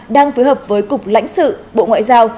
đang phối hợp với cục lãnh sự bộ ngoại giao